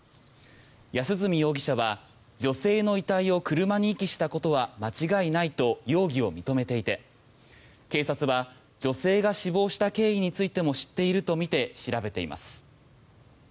安栖容疑者は女性の遺体を車に遺棄したことは間違いないと容疑を認めていて警察は女性が死亡した経緯についても知っているとみて調べています。